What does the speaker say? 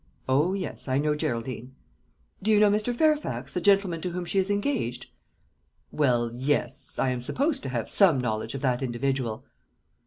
"O yes, I know Geraldine." "Do you know Mr. Fairfax, the gentleman to whom she is engaged?" "Well, yes; I am supposed to have some knowledge of that individual."